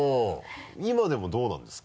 今でもどうなんですか？